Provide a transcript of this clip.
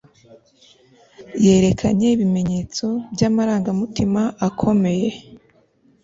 Yerekanye ibimenyetso byamarangamutima akomey